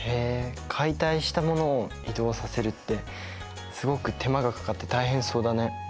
解体したものを移動させるってすごく手間がかかって大変そうだね。